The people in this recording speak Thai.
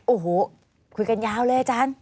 โอ้โหคุยกันยาวเลยอาจารย์